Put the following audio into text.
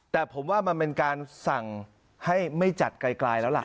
แต่ผมว่ามันเป็นการสั่งให้ไม่จัดไกลแล้วล่ะ